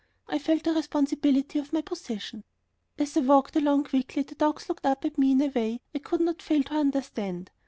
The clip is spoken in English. I felt the responsibility of my position. As I walked along quickly the dogs looked up at me in a way I could not fail to understand.